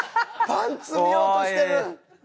パンツ見ようとしてる！